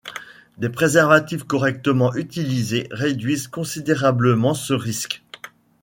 Des préservatifs correctement utilisés réduisent considérablement ce risque.